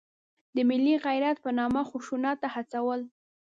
د ملي غیرت په نامه خشونت ته هڅول.